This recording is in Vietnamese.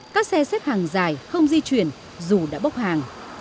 các xe xếp hàng dài không di chuyển dù đã bốc hàng